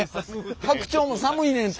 白鳥も寒いねんて。